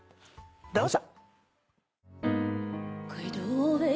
どうぞ。